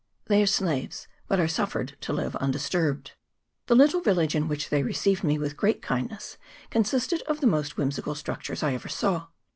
They are slaves, but are suffered to live undisturbed. The little village, in which they received me with great kindness, consisted of the most whimsical structures I ever saw.